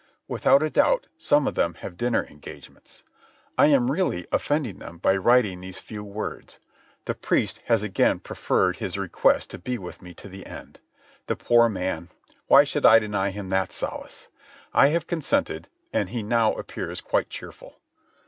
Without a doubt, some of them have dinner engagements. I am really offending them by writing these few words. The priest has again preferred his request to be with me to the end. The poor man—why should I deny him that solace? I have consented, and he now appears quite cheerful.